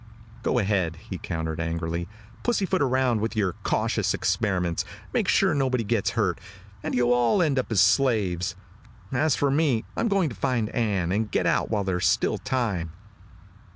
"Go ahead," he countered angrily. "Pussy foot around with your cautious experiments, make sure nobody gets hurt and you'll all end up slaves. As for me, I'm going to find Ann and get out while there's still time."